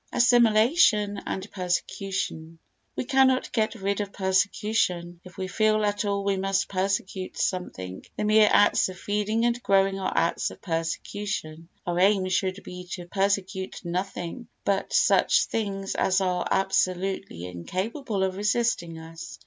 Assimilation and Persecution We cannot get rid of persecution; if we feel at all we must persecute something; the mere acts of feeding and growing are acts of persecution. Our aim should be to persecute nothing but such things as are absolutely incapable of resisting us.